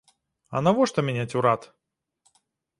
А навошта мяняць урад?